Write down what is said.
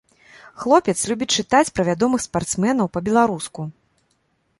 Хлопец любіць чытаць пра вядомых спартсменаў па-беларуску.